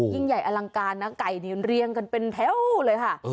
ยิ่งใหญ่อลังการนะไก่นี่เรียงกันเป็นแถวเลยค่ะ